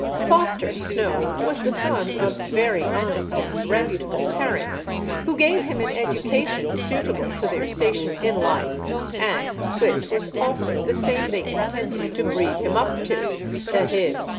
Foster Snow was the son of very honest and reputable parents, who gave him an education suitable to their station in life, and which was also the same they intended to breed him up to, viz.